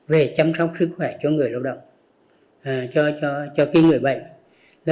về chăm sóc sức khỏe cho người lâu động cho cái người bệnh